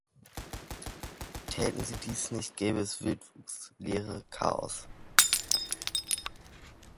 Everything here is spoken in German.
Täten Sie dies nicht, gäbe es Wildwuchs, Leere, Chaos.